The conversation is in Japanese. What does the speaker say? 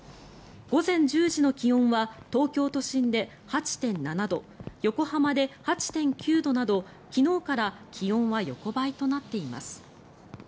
午前１０時の気温は東京都心で８．７度横浜で８．９度など昨日から気温は横ばいとなっています。